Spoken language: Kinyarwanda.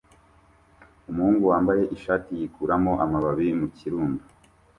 Umuhungu wambaye ishati yikuramo amababi mu kirundo